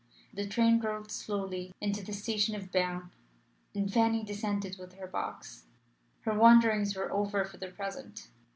The train rolled slowly into the station of Berne, and Fanny descended with her box. Her wanderings were over for the present.